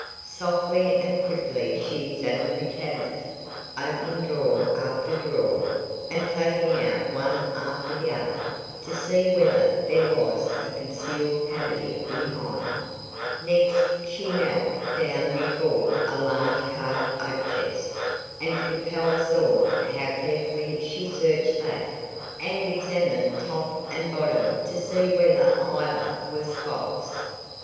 Softly and quickly she examined the cabinet, opening drawer after drawer, and taking out one after the other, to see whether there was a concealed cavity behind. Next she knelt down before a large carved oak chest, and Capel saw how carefully she searched that, and examined top and bottom to see whether either was false.